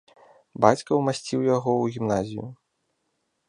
Бацька ўмасціў яго ў гімназію.